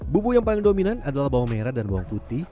bumbu yang paling dominan adalah bawang merah dan bawang putih